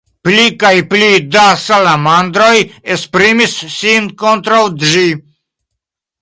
Pli kaj pli da salamandroj esprimis sin kontraŭ ĝi.